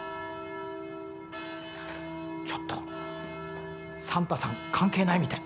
ちょっとサンタさんかんけいないみたい。